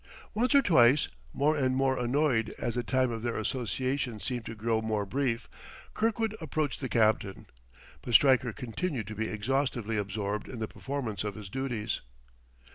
Once or twice, more and more annoyed as the time of their association seemed to grow more brief, Kirkwood approached the captain; but Stryker continued to be exhaustively absorbed in the performance of his duties.